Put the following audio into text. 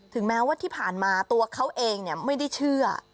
แม้ว่าที่ผ่านมาตัวเขาเองไม่ได้เชื่อ